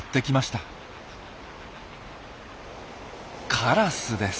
カラスです。